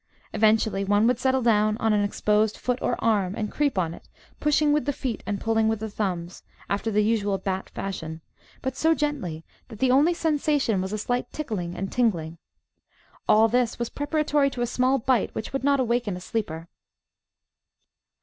Eventually one would settle down on an exposed foot or arm, and creep on it, pushing with the feet and pulling with the thumbs, after the usual bat fashion, but so gently that the only sensation was a slight tickling and tingling. All this was preparatory to a small bite which would not awaken a sleeper.